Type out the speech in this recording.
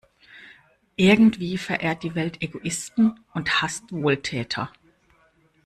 Irgendwie verehrt die Welt Egoisten und hasst Wohltäter.